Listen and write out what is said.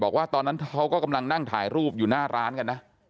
บอกว่าตอนนั้นเขาก็กำลังนั่งถ่ายรูปอยู่หน้าร้านกันนะ